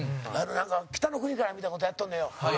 『北の国から』みたいな事やっとんのよ。